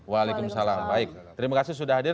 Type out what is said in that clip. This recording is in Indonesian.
waalaikumsalam baik terima kasih sudah hadir